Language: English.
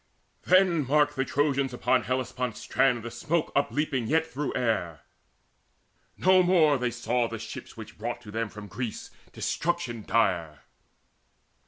Then marked the Trojans upon Hellespont's strand The smoke upleaping yet through air: no more Saw they the ships which brought to them from Greece Destruction dire.